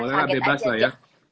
boleh bebas lah ya